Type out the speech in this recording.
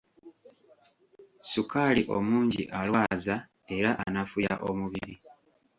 Ssukaali omungi alwaza era anafuya omubiri.